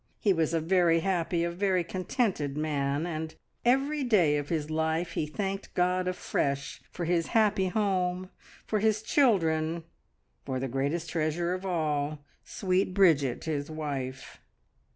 He was a very happy, a very contented man, and every day of his life he thanked God afresh for his happy home, for his children, for the greatest treasure of all, sweet Bridget, his wife!